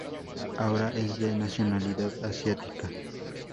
Ahora es de nacionalidad asiática.